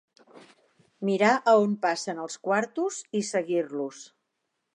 Mirar a on passen els quartos, i seguir-los